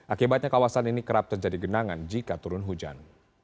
akibatnya kawasan ini kerap terjadi genangan jika turun hujan